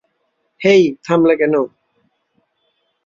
হেই, থামলে কেন?